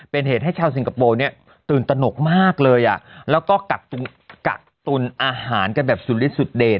เป็นเหตุให้ชาวสิงคโปร์เนี่ยตื่นตนกมากเลยอ่ะแล้วก็กักตุลอาหารกันแบบสุดลิดสุดเดช